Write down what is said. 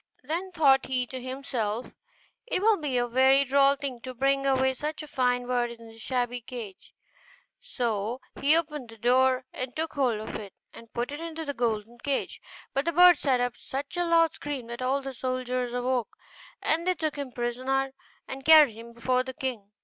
Then thought he to himself, 'It will be a very droll thing to bring away such a fine bird in this shabby cage'; so he opened the door and took hold of it and put it into the golden cage. But the bird set up such a loud scream that all the soldiers awoke, and they took him prisoner and carried him before the king.